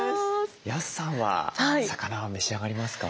安さんは魚は召し上がりますか？